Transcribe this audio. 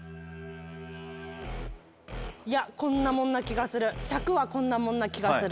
いやこんなもんな気がする１００はこんなもんな気がする。